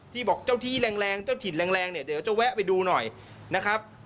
บอกเจ้าที่แรงเจ้าถิ่นแรงเนี่ยเดี๋ยวจะแวะไปดูหน่อยนะครับ